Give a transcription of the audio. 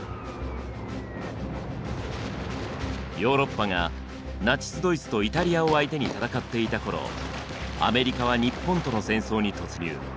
ヨーロッパがナチス・ドイツとイタリアを相手に戦っていた頃アメリカは日本との戦争に突入。